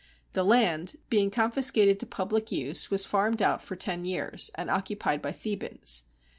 The land, being confis i6S GREECE cated to public use, was farmed out for ten years, and occupied by Thebans.